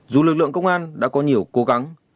dù lực lượng công an đã có nhiều cố gắng